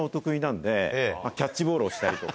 キャッチボールをしたりとか。